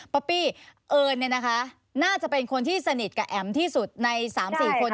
อปปี้เอิญน่าจะเป็นคนที่สนิทกับแอ๋มที่สุดใน๓๔คน